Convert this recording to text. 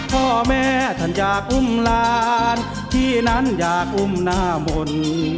พ่อแม่ท่านอยากอุ้มหลานที่นั้นอยากอุ้มหน้ามนต์